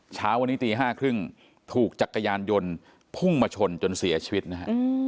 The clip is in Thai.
เช้าวันนี้ตี๕๓๐ถูกจักรยานยนต์พุ่งมาชนจนเสียชีวิตนะฮะ